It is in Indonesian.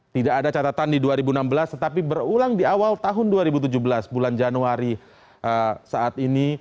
tidak ada catatan di dua ribu enam belas tetapi berulang di awal tahun dua ribu tujuh belas bulan januari saat ini